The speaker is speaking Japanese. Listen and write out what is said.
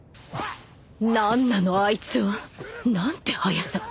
何なのあいつは何て速さ